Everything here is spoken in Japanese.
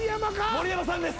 盛山さんです。